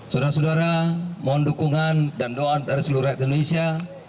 surah surah mohon dukungan dan doa antara seluruh rakyat indonesia